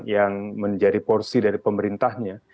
yang menjadi porsi dari pemerintahnya